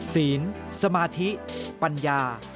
ศีลสมาธิปัญญา